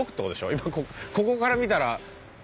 今ここから見たらただの。